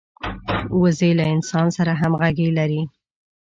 وزې له انسان سره همږغي لري